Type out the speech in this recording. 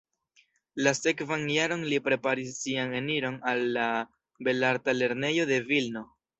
La sekvan jaron li preparis sian eniron al la Belarta Lernejo de Vilno.